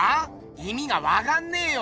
いみがわかんねえよ。